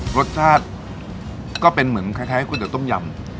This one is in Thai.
รสชาติก็เป็นเหมือนคล้ายก๋วต้มยำ